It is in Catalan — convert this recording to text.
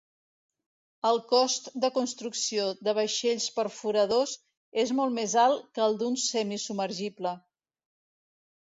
El cost de construcció de vaixells perforadors és molt més alt que el d'un semi-submergible.